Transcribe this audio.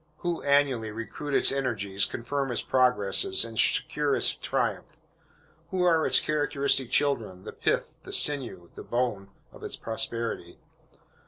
Who, annually, recruit its energies, confirm its progress, and secure its triumph? Who are its characteristic children, the pith, the sinew, the bone, of its prosperity?